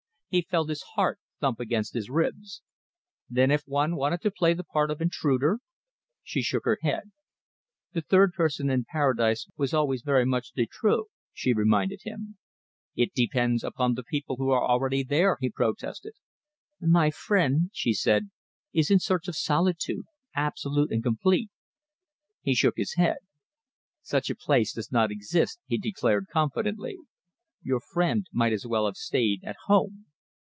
He felt his heart thump against his ribs. "Then if one wanted to play the part of intruder?" She shook her head. "The third person in Paradise was always very much de trop," she reminded him. "It depends upon the people who are already there," he protested. "My friend," she said, "is in search of solitude, absolute and complete." He shook his head. "Such a place does not exist," he declared confidently. "Your friend might as well have stayed at home."